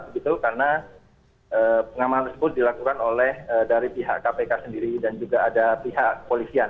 begitu karena pengamanan tersebut dilakukan oleh dari pihak kpk sendiri dan juga ada pihak kepolisian